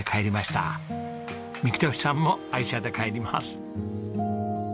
幹寿さんも愛車で帰ります。